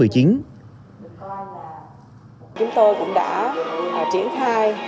chúng tôi cũng đã triển khai